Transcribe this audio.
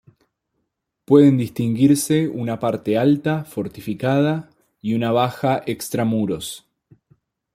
Pueden distinguirse una parte alta, fortificada, y una parte baja extramuros.